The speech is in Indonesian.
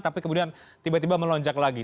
tapi kemudian tiba tiba melonjak lagi